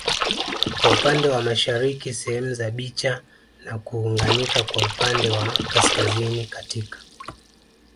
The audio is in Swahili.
kwa upande wa mashariki sehemu za Bicha na kuunganika kwa upande wa kaskazini katika